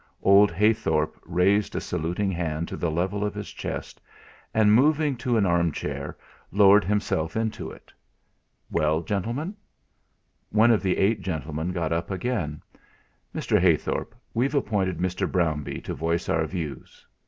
Old Heythorp raised a saluting hand to the level of his chest and moving to an arm chair, lowered himself into it. "Well, gentlemen?" One of the eight gentlemen got up again. "Mr. Heythorp, we've appointed Mr. Brownbee to voice our views.